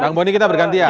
bang boni kita bergantian